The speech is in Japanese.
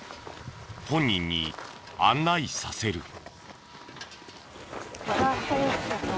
本人に案内させる。